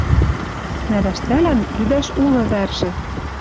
Нӓрӓштӓлӓн лӱдӓш улы вӓржӹ: